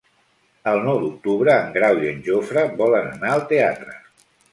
El nou d'octubre en Grau i en Jofre volen anar al teatre.